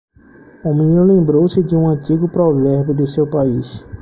O menino lembrou-se de um antigo provérbio de seu país.